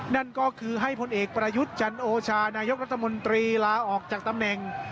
นั่นก็คือให้พลเอกประยุทธ์จันโอชานายกรัฐมนตรีลาออกจากตำแหน่ง